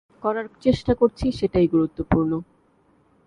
করার চেষ্টা করছি সেটাই গুরুত্বপূর্ণ।